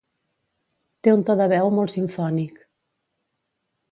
Té un to de veu molt simfònic